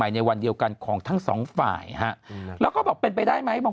ใหม่ในวันเดียวกันของทั้ง๒ฝ่ายแล้วก็บอกเป็นไปได้ไหมบาง